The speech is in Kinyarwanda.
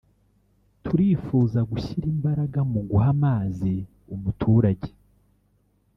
turifuza gushyira imbaraga mu guha amazi umuturage